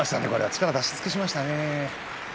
力を出し尽くしましたね。